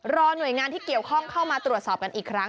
รอหน่วยงานที่เกี่ยวข้องเข้ามาตรวจสอบกันอีกครั้ง